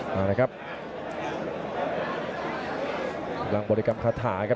หลังบริกรรมคาถาครับ